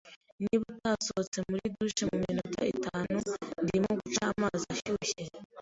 Niba utasohotse muri douche muminota itanu, ndimo guca amazi ashyushye!